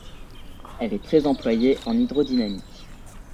Elle est très employée en hydrodynamique.